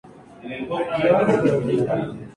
El segundo, se le añade un sol como signo de fertilidad.